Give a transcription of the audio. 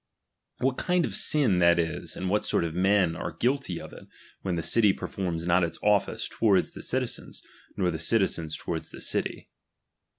What kind of $in that is, a.ui what sort of mea are guilty of it, when the tity p«rfbrais ixit its office lovanb the citizens, nor the eitilMis lov«rds tk« city.